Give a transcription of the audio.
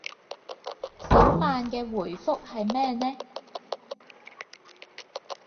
小曼嘅回覆係咩呢